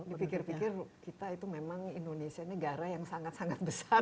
dipikir pikir kita itu memang indonesia negara yang sangat sangat besar